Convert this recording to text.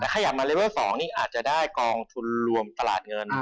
แต่ขยันมาเลเวอร์๒นี่อาจจะได้กองทุนรวมตลาดเงิน